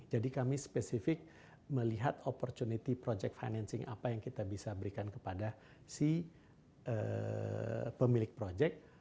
jadi kami spesifik melihat opportunity project financing apa yang kita bisa berikan kepada si pemilik project